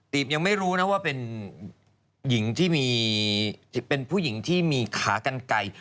ตีบยังไม่รู้นะว่าเป็นผู้หญิงที่มีขากันไกล